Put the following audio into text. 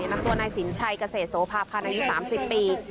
นำตัวนายสินชัยเกษตรโสภาพันธ์อายุ๓๐ปี